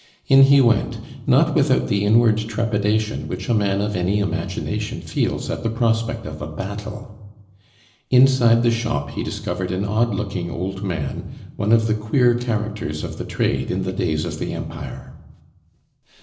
In he went, not without the inward trepidation which a man of any imagination feels at the prospect of a battle. Inside the shop he discovered an odd looking old man, one of the queer characters of the trade in the days of the Empire.